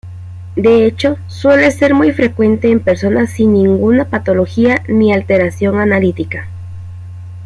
De hecho suele ser muy frecuente en personas sin ninguna patología ni alteración analítica.